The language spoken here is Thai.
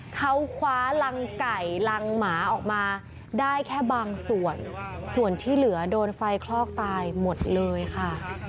เขาคว้ารังไก่รังหมาออกมาได้แค่บางส่วนส่วนที่เหลือโดนไฟคลอกตายหมดเลยค่ะ